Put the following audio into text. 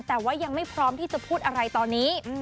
แต่ว่ายังไม่พร้อมที่จะพูดอะไรตอนนี้